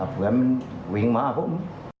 เผื่อมันวิงมากพวกมัน